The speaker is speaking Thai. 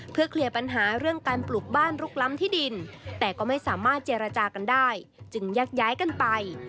เพื่อเคลียร์ปัญหาเรื่องการปลูกบ้านลุกล้ำที่ดินแต่ก็ไม่สามารถเจรจากันได้จึงแยกย้ายกันไป